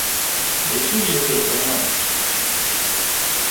— Де чув єси про нього?